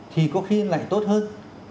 thì có khi lại tốt hơn